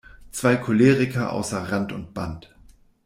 Zwei Choleriker außer Rand und Band!